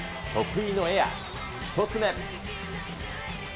得意のエア、１つ目。